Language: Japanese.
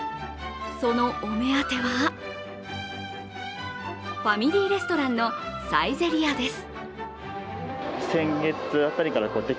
そのお目当ては、ファミリーレストランのサイゼリヤです。